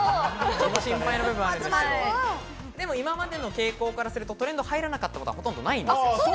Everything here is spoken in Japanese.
心配な部分はあるんですけど、今までの傾向からするとトレンドに入らなかったことはほとんどないです。